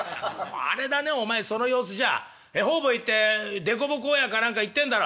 あれだねお前その様子じゃ方々行って凸凹か何か言ってんだろ」。